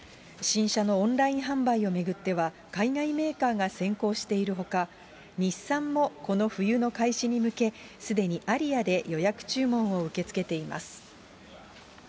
新車のオンライン販売を巡っては、海外メーカーが先行しているほか、日産もこの冬の開始に向け、すでにアリアで予約注文を受け付けています。